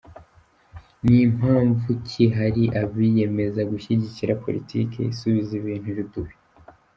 Ni mpamvu ki hari abiyemeza gushyigikira politiki isubiza ibintu irudubi?